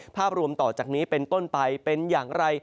ภาพรวมต่อจากนี้เป็นต้นไปเป็นอย่างไร